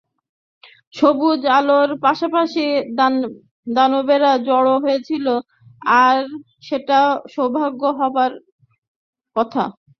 সবুজ আলোর চারপাশে দানবেরা জড়ো হয়েছিল আর সেটা সৌভাগ্য হবার কথা।